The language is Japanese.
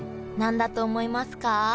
何だと思いますか？